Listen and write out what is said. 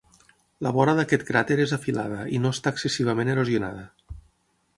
La vora d'aquest cràter és afilada i no està excessivament erosionada.